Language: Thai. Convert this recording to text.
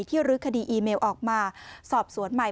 ที่รึกคดีอีเมลออกมาสอบสวนใหม่